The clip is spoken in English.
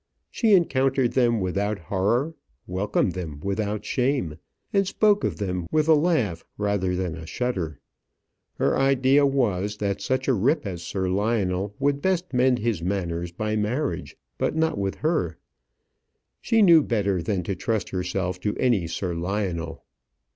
She encountered them without horror, welcomed them without shame, and spoke of them with a laugh rather than a shudder. Her idea was, that such a rip as Sir Lionel would best mend his manners by marriage; by marriage, but not with her. She knew better than trust herself to any Sir Lionel.